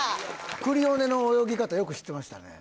クリオネの泳ぎ方よく知ってましたね。